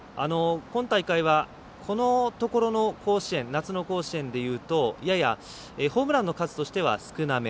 今大会はこのところの夏の甲子園でいうとややホームランの数としては少なめ。